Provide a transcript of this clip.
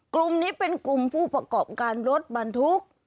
กลุ่มนี้เป็นกลุ่มผู้ประกอบการรถบรรทุก